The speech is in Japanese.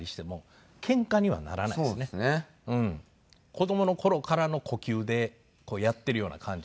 子供の頃からの呼吸でやっているような感じ